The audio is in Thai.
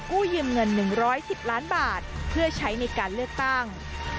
ยืมเงิน๑๑๐ล้านบาทเพื่อใช้ในการเลือกตั้ง